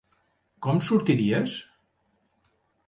Com sortiries?